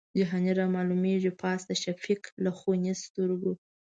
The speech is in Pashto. جهاني رامعلومیږي پاس د شفق له خوني سترګو